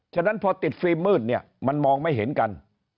ฉะนั้นพอติดฟิล์มมืดเนี่ยมันมองไม่เห็นกัน